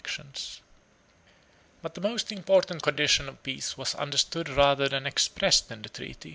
] But the most important condition of peace was understood rather than expressed in the treaty.